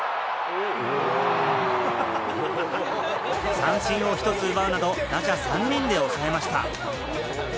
三振を１つ奪うなど、打者３人で抑えました。